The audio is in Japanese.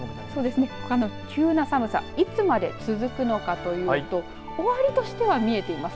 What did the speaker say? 急な寒さ、いつまで続くのかというと終わりとしては、見えています。